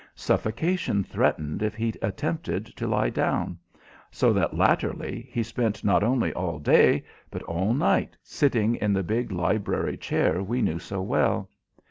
Suffocation threatened if he attempted to lie down; so that, latterly, he spent not only all day, but all night sitting in the big library chair we knew so well.